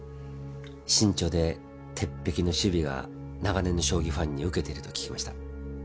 慎重で鉄壁の守備が長年の将棋ファンに受けていると聞きました。